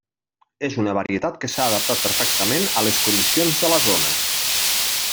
És una varietat que s'ha adaptat perfectament a les condicions de la zona.